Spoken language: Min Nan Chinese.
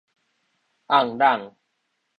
聬儱